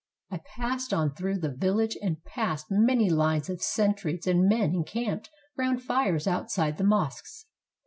I passed on through the village, and past many lines of sentries and men encamped round fires outside the mosques.